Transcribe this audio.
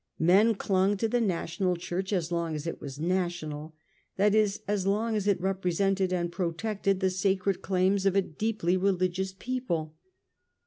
Men clung to the National Church as long as it was national — that is, as long as it repre sented and protected the sacred claims of a deeply religious people.